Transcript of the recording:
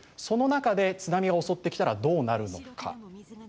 その中で津波が襲ってきたらどうなるのか。